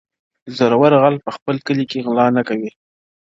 • زورور غل په خپل کلي کي غلا نه کوي -